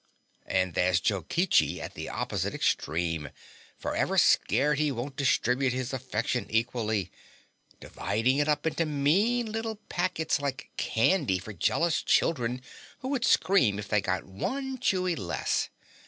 And there's Jokichi at the opposite extreme, forever scared he won't distribute his affection equally, dividing it up into mean little packets like candy for jealous children who would scream if they got one chewy less.